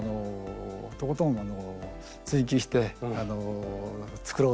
とことんあの追求して作ろうと。